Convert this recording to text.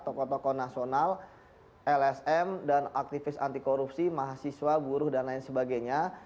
tokoh tokoh nasional lsm dan aktivis anti korupsi mahasiswa buruh dan lain sebagainya